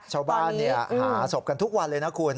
ชาวบ้านหาศพกันทุกวันเลยนะคุณ